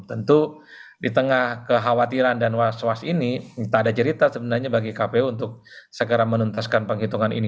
tentu di tengah kekhawatiran dan was was ini minta ada cerita sebenarnya bagi kpu untuk segera menuntaskan penghitungan ini